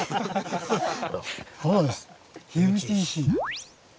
そうです。